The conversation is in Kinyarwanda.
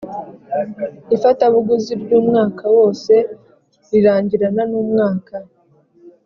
Ifatabuguzi ry umwaka wose rirangirana n umwaka